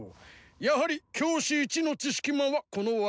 やはり教師一の知識魔はこのわしだな！